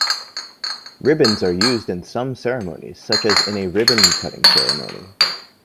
Ribbons are used in some ceremonies, such as in a ribbon cutting ceremony.